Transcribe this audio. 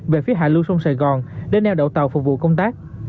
về phía hạ lưu sông sài gòn để neo đậu tàu phục vụ công tác